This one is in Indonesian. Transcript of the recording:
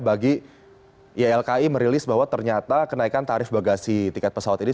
bagi ylki merilis bahwa ternyata kenaikan tarif bagasi tiket pesawat ini